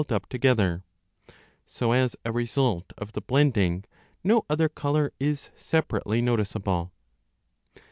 795 b DE COLORIBUS 20 up together ; so as a result of the blending no other colour is separately noticeable.